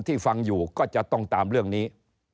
ฟังอยู่ก็จะต้องตามเรื่องนี้